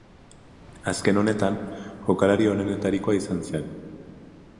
Azken honetan, jokalari onenetarikoa izan zen.